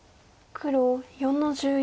黒４の十四。